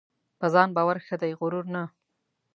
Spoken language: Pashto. په ځان باور ښه دی ؛غرور نه .